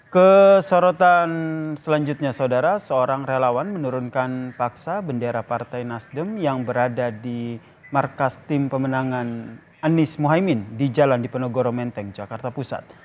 kesorotan selanjutnya saudara seorang relawan menurunkan paksa bendera partai nasdem yang berada di markas tim pemenangan anies mohaimin di jalan dipenogoro menteng jakarta pusat